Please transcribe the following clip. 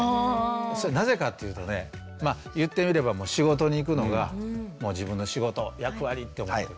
それなぜかっていうとね言ってみれば仕事に行くのが自分の仕事役割って思ってる。